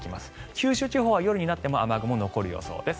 九州地方は夜になっても雨雲が残る予想です。